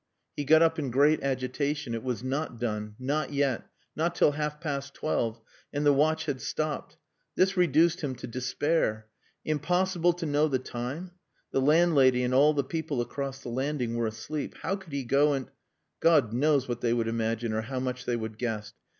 He got up in great agitation. It was not done. Not yet. Not till half past twelve. And the watch had stopped. This reduced him to despair. Impossible to know the time! The landlady and all the people across the landing were asleep. How could he go and... God knows what they would imagine, or how much they would guess.